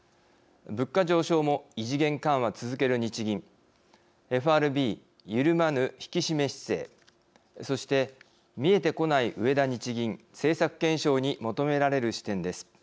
物価上昇も異次元緩和続ける日銀ＦＲＢ緩まぬ引き締め姿勢そして見えてこない植田日銀政策検証に求められる視点です。